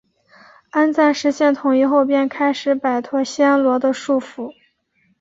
安赞实现统一后便开始摆脱暹罗的束缚。